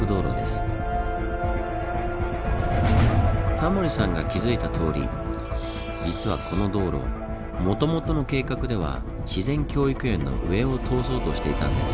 タモリさんが気付いたとおり実はこの道路もともとの計画では自然教育園の上を通そうとしていたんです。